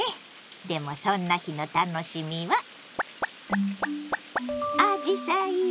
でもそんな日の楽しみはアジサイよ！